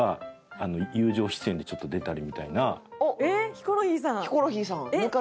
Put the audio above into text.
ヒコロヒーさん！